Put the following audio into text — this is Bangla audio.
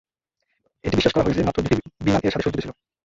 এটি বিশ্বাস করা হয় যে মাত্র দুটি বিমান এর সাথে সজ্জিত ছিল।